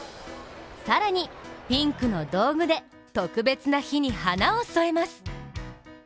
更にピンクの道具で特別な日に花を添えます。